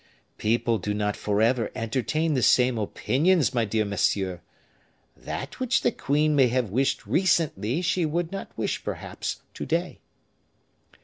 "People do not forever entertain the same opinions, my dear monsieur. That which the queen may have wished recently, she would not wish, perhaps, to day."